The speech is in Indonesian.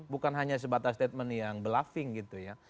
bukan hanya sebatas statement yang bluffing gitu ya